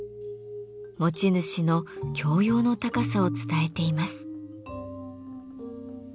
持ち主の教養の高さを伝えています。